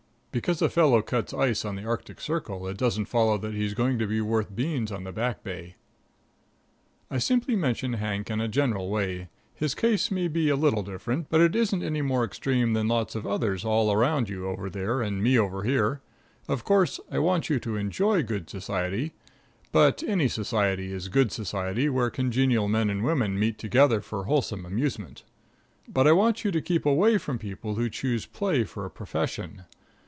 Because a fellow cuts ice on the Arctic Circle, it doesn't follow that he's going to be worth beans on the Back Bay. I simply mention Hank in a general way. His case may be a little different, but it isn't any more extreme than lots of others all around you over there and me over here. Of course, I want you to enjoy good society, but any society is good society where congenial men and women meet together for wholesome amusement. But I want you to keep away from people who choose play for a profession.